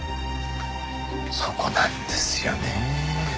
そこなんですよね。